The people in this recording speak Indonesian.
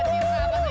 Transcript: ini belakangnya yonyo